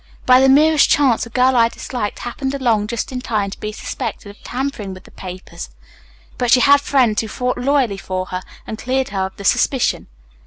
By the merest chance the girl I disliked happened along just in time to be suspected of tampering with the papers. But she had friends who fought loyally for her and cleared her of the suspicion.